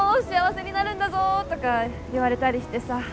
幸せになるんだぞ」とか言われたりしてさ。